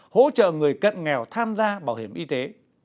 hỗ trợ người cận nghèo tham gia bảo hiểm y tế